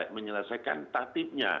tidak menyelesaikan tatip nya